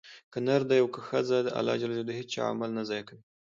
که نر دی او که ښځه؛ الله د هيچا عمل نه ضائع کوي